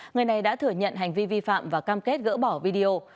người này đã thừa nhận hành vi vi phạm và cam kết gỡ bỏ video